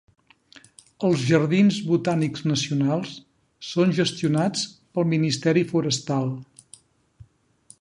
Els Jardins Botànics Nacionals són gestionats pel Ministeri Forestal.